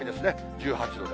１８度で。